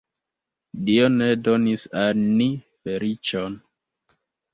Dio ne donis al ni feliĉon!